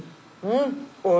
うん。